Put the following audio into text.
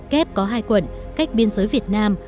kép có hai quận cách biên giới việt nam